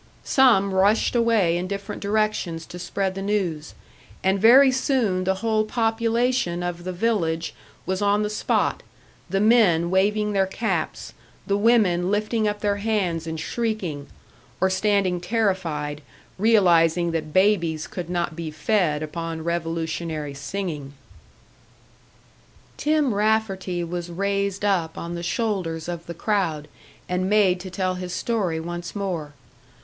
Some rushed away in different directions to spread the news, and very soon the whole population of the village was on the spot; the men waving their caps, the women lifting up their hands and shrieking or standing terrified, realising that babies could not be fed upon revolutionary singing. Tim Rafferty was raised up on the shoulders of the crowd and made to tell his story once more.